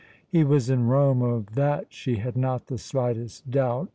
He was in Rome, of that she had not the slightest doubt.